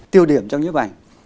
tiêu điểm trong những bức ảnh